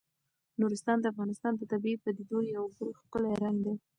نورستان د افغانستان د طبیعي پدیدو یو بل ښکلی رنګ دی.